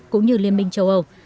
cũng như liên minh châu âu